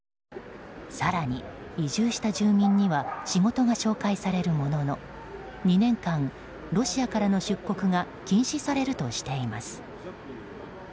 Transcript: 更に、移住した住民には仕事が紹介されるものの２年間ロシアからの出国が禁止されるとしています。